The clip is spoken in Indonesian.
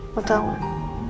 mau tau gak